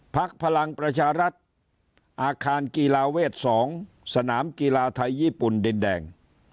พลังประชารัฐอาคารกีฬาเวท๒สนามกีฬาไทยญี่ปุ่นดินแดง